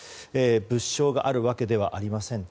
物証があるわけではありません。